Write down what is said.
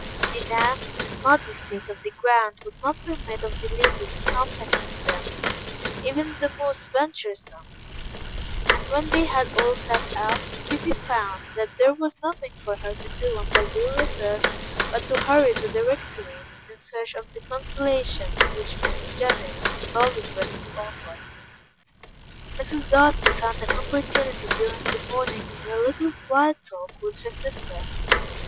The damp and muddy state of the ground would not permit of the ladies accompanying them, even the most venturesome, and when they had all set out, Kitty found that there was nothing for her to do until their return but to hurry to the Rectory in search of the consolation which Mrs. Jennings was always ready to offer. Mrs. Darcy found an opportunity during the morning for a little quiet talk with her sister.